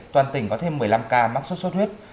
toàn tỉnh có thêm một mươi năm ca mắc sốt xuất huyết